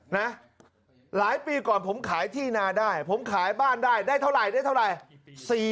หลายปีก่อนผมขายที่นาได้ผมขายบ้านได้ได้เท่าไหร่ได้เท่าไหร่